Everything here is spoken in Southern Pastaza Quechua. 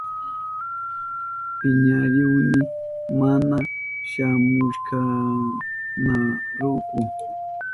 Piñarihuni mana shamuhushkanrayku.